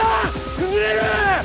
崩れる！